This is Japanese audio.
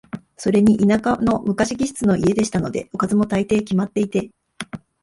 それに田舎の昔気質の家でしたので、おかずも、大抵決まっていて、